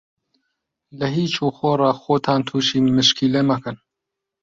لە هیچ و خۆڕا خۆتان تووشی مشکیلە مەکەن.